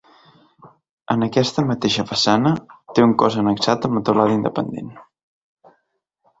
En aquesta mateixa façana té un cos annexat amb teulada independent.